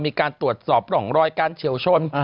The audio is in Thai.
มีการตรวจสอบร่องรอยการเฉียวชน